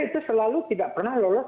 itu selalu tidak pernah lolos